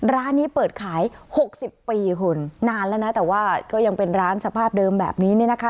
ร้านนี้เปิดขายหกสิบปีคุณนานแล้วนะแต่ว่าก็ยังเป็นร้านสภาพเดิมแบบนี้เนี่ยนะคะ